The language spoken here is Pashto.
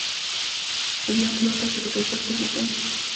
د بیا پلور کچه د کیفیت ثبوت دی.